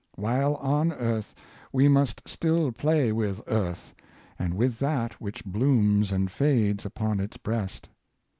While on earth we must still play with earth, and with that which blooms and fades upon its breast.